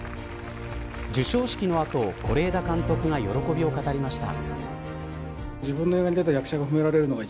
授賞式のあと是枝監督が喜びを語りました。